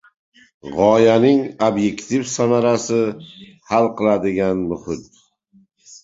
g‘oyaning ob’ektiv samarasi hal qiladigan muhit